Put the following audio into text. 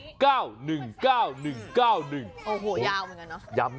โอ้โหยาวเหมือนกันเนอะ